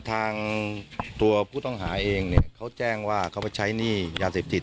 ทางตัวผู้ต้องหาเองเนี่ยเขาแจ้งว่าเขาไปใช้หนี้ยาเสพติด